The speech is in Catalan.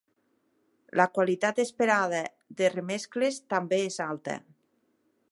La qualitat esperada de remescles també és alta.